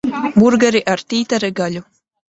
Burgeri ar tītara gaļu.